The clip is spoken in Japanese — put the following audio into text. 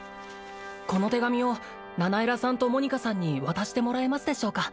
この手紙をナナエラさんとモニカさんに渡してもらえますでしょうか